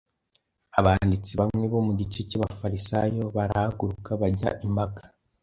Abanditsi bamwe bo mu gice cy’Abafarisayo barahaguruka bajya impaka